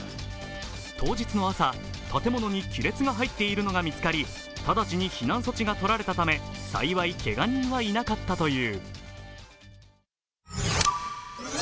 当日の朝、建物に亀裂が入っているのが見つかり、直ちに避難措置がとられたため、幸いけが人はいなかったという。